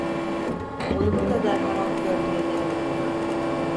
Onu bu kadar harap görmeye dayanamıyordu.